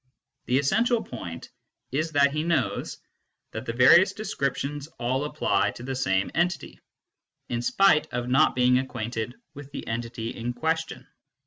^ The essential point is that he knows that the various descriptions all apply to the KNOWLEDGE BY ACQUAINTANCE 217 same entity, in spite of not being acquainted with the entity in question.